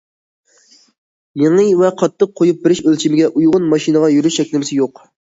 يېڭى ۋە قاتتىق قويۇپ بېرىش ئۆلچىمىگە ئۇيغۇن ماشىنىغا يۈرۈش چەكلىمىسى يوق.